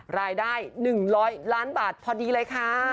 รายได้๑๐๐ล้านบาทพอดีเลยค่ะ